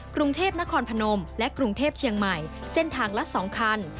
กรุงเทพนครพนมและกรุงเทพเชียงใหม่เส้นทางละ๒คัน